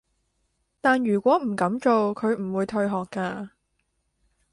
但如果唔噉做，佢唔會退學㗎